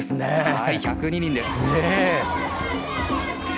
はい、１０２人です。